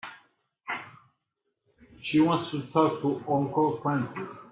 She wants to talk to Uncle Francis.